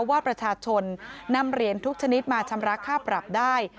ว่าประชาชนนำเหรียญทุกชนิดมาชำระค่าปรับได้